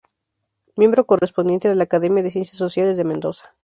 Miembro Correspondiente de la Academia de Ciencias Sociales de Mendoza.